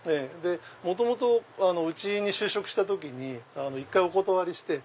元々うちに就職した時に１回お断りして。